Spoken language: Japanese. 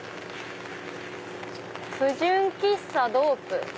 「不純喫茶ドープ」。